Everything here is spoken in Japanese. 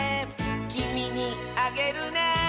「きみにあげるね」